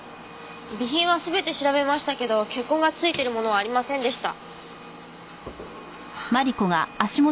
備品は全て調べましたけど血痕がついてるものはありませんでした。